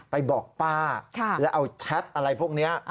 ไปบอกป้าแล้วเอาแชทอะไรพวกนี้